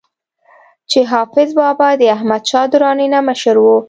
چې حافظ بابا د احمد شاه دراني نه مشر وو